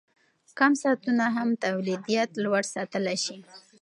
کم ساعتونه هم تولیدیت لوړ ساتلی شي.